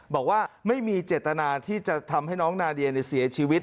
บอกว่าไม่มีเจตนาที่จะทำให้น้องนาเดียเสียชีวิต